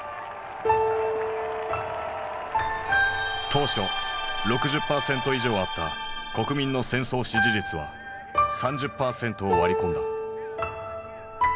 当初６０％以上あった国民の戦争支持率は３０％を割り込んだ。